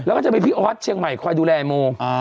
แล้วก็จะมีพี่ออสเชียงใหม่คอยดูแลโม